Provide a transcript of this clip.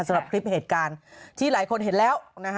สำหรับคลิปเหตุการณ์ที่หลายคนเห็นแล้ว